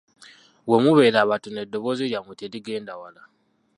Bwe mubeera abatono eddoboozi lyammwe terigenda wala.